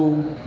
đó là một lần